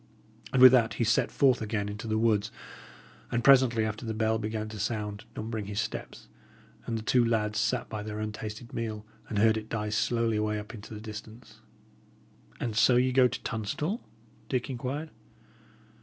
And with that he set forth again into the woods; and presently after the bell began to sound, numbering his steps, and the two lads sat by their untasted meal, and heard it die slowly away up hill into the distance. "And so ye go to Tunstall?" Dick inquired.